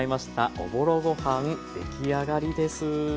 おぼろご飯出来上がりです。